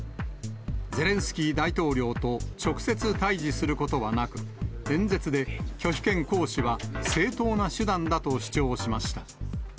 ゼレンスキー大統領と直接対じすることはなく、演説で、拒否権行使は正当な手段だと主張しました。